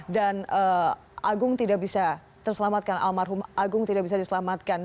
dan agung tidak bisa terselamatkan almarhum agung tidak bisa diselamatkan